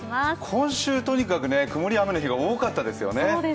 今週とにかく曇り、雨の日が多かったですね。